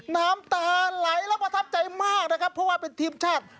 น้ำตาไหลและประทับใจมากนะครับเพราะว่าเป็นทีมชาติ